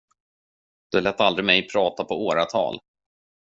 Du lät aldrig mig prata på åratal.